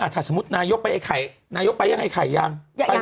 ถ้าสมมุตินายกไปไอ้ไข่นายกไปยังไงไข่ยัง